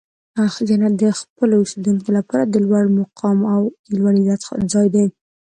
جنت د خپلو اوسیدونکو لپاره د لوړ مقام او لوړ عزت ځای دی.